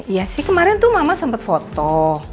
iya sih kemarin tuh mama sempet foto